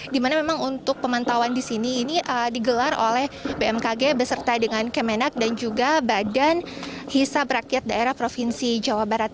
dimana memang untuk pemantauan di sini ini digelar oleh bmkg beserta dengan kemenak dan juga badan hisab rakyat daerah provinsi jawa barat